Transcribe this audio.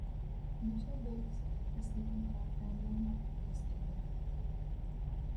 Mitchell Bates, a sleeping car attendant, was killed.